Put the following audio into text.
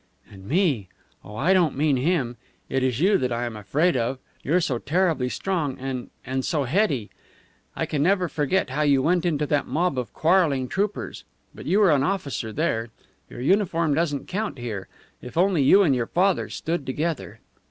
"And me! Oh, I don't mean him. It is you that I am afraid of. You're so terribly strong and and so heady. I can never forget how you went into that mob of quarrelling troopers. But you were an officer there; your uniform doesn't count here. If only you and your father stood together!"